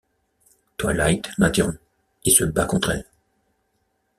Twilight l'interrompt et se bat contre elle.